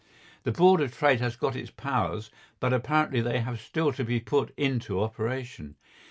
The Board of Trade has got its powers, but apparently they have still to be put into operation.